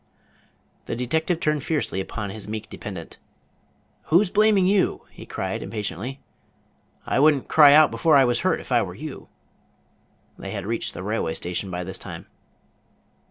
The detective turned fiercely upon his meek dependent. "Who's blaming you?" he cried, impatiently. "I would n't cry out before I was hurt, if I were you." They had reached the railway station by this time.